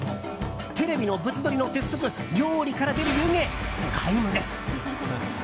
テレビの物撮りの鉄則料理から出る湯気、皆無です。